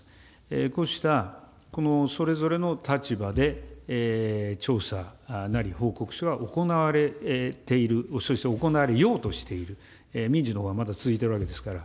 こうした、このそれぞれの立場で調査なり、報告書は行われている、そして行われようとしている、民事のほうはまだ続いているわけですから。